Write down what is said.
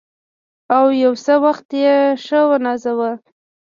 او یو څه وخت یې ښه ونازاوه.